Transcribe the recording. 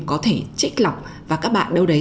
có thể trích lọc và các bạn đâu đấy